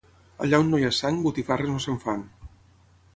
Allà on no hi ha sang botifarres no se'n fan